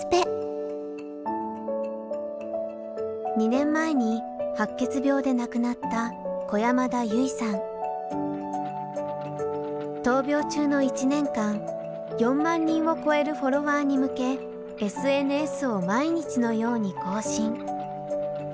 ２年前に白血病で亡くなった闘病中の１年間４万人を超えるフォロワーに向けＳＮＳを毎日のように更新。